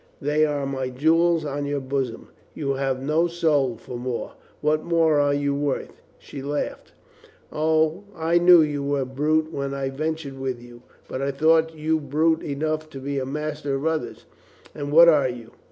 They are my jewels on your bosom. You have no soul for more. What more are you worth?" She laughed. "O, I knew you were brute when I ventured with you, but I thought you brute enough to be a master of others. And what are you